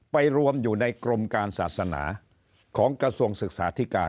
ไปรวมอยู่ในกรมการศาสนาของกระทรวงศึกษาธิการ